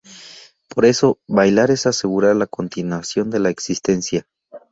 Por eso, bailar es asegurar la continuación de la existencia.